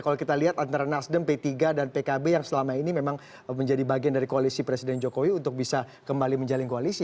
kalau kita lihat antara nasdem p tiga dan pkb yang selama ini memang menjadi bagian dari koalisi presiden jokowi untuk bisa kembali menjalin koalisi